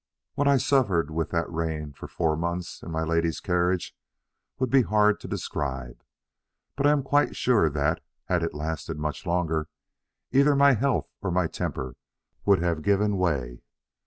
What I suffered with that rein for four months in my lady's carriage would be hard to describe; but I am quite sure that, had it lasted much longer, either my health or my temper would have given way.